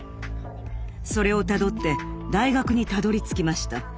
それをたどって大学にたどりつきました。